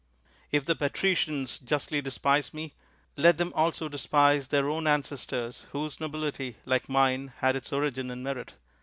If the patricians justly despise me, let them also despise their own ancestors, whose nobility, like mine, had its origin in merit.